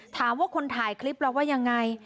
ถามว่าคนถ่ายคลิปเราว่ายังไง